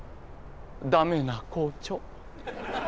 駄目な校長。